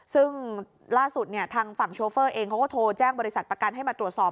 ซึ่งล่าสุดทางฝั่งโชเฟอร์เองเขาก็โทรแจ้งบริษัทประกันให้มาตรวจสอบ